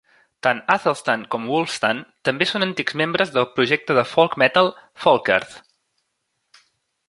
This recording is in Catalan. Tant Athelstan com Wulfstan també són antics membres del projecte de folk metal "Folkearth".